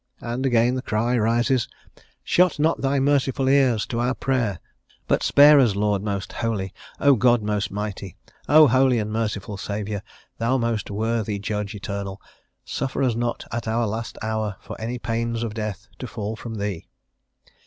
And again the cry rises: "Shut not thy merciful ears to our prayer; but spare us, Lord most holy, O God most mighty, O holy and merciful Saviour, thou most worthy Judge Eternal, suffer us not, at our last hour, for any pains of death, to fall from thee."